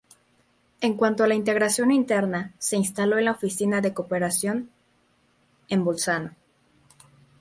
En cuanto a la integración interna, se instaló la oficina de cooperación en Bolzano.